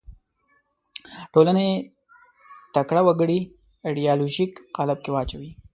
ټولنې تکړه وګړي ایدیالوژیک قالب کې واچوي